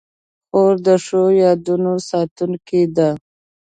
خور د ښو یادونو ساتونکې ده.